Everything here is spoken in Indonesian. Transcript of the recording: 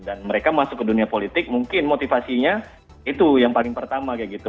dan mereka masuk ke dunia politik mungkin motivasinya itu yang paling pertama kayak gitu